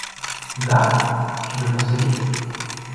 Là ? fit le conseiller.